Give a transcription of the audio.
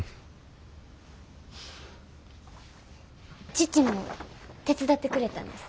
父も手伝ってくれたんです。